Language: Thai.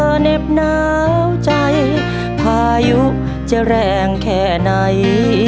จะทำเธอเน็บหนาวใจพายุจะแรงแค่ไหน